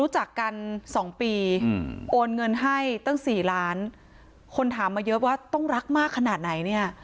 จากกันสองปีโอนเงินให้ตั้งสี่ล้านคนถามมาเยอะว่าต้องรักมากขนาดไหนเนี่ย